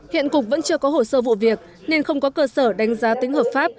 hiện cục vẫn chưa có hồ sơ vụ việc nên không có cơ sở đánh giá tính hợp pháp